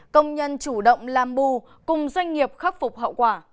công nhân chủ động làm bù cùng doanh nghiệp khắc phục hậu quả